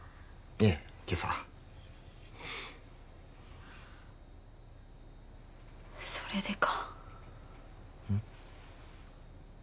ええ今朝それでかうん？